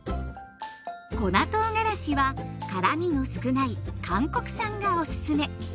粉とうがらしは辛みの少ない韓国産がおすすめ。